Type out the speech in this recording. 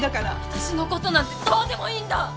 私のことなんてどうでもいいんだ！